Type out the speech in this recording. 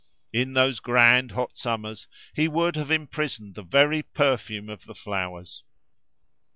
In those grand, hot summers, he would have imprisoned the very perfume of the flowers.